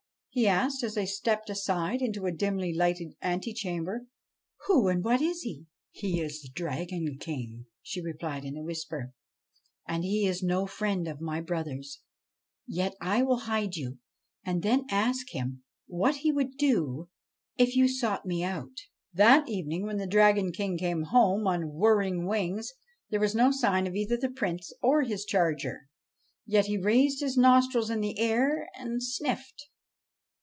he asked as they stepped aside into a dimly lighted antechamber; 'who and what is he?' ' He is the Dragon King,' she replied in a whisper ;' and he is no friend of my brothers. Yet I will hide you, and then ask him what he would do if you sought me out.' That evening, when the Dragon King came home on whirring wings, there was no sign of either the Prince or his charger. Yet he raised his nostrils in the air and sniffed.